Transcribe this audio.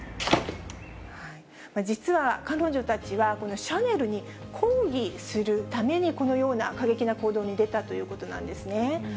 実は彼女たちは、このシャネルに抗議するために、このような過激な行動に出たということなんですね。